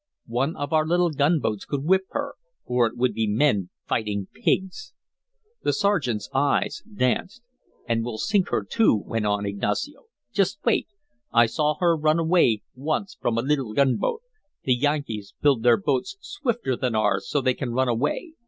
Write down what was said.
One of our little gunboats could whip her, for it would be men fighting pigs." The sergeant's eyes danced. "And we'll sink her, too," went on Ignacio. "Just wait! I saw her run away once from a little gunboat. The Yankees build their boats swifter than ours so they can run away.